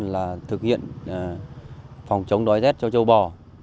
là thực hiện phòng chống đói rét cho châu bò